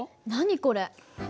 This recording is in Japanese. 何これ？